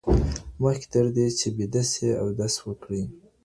مخکي تر دې چي بيده سئ، اودس وکړئ.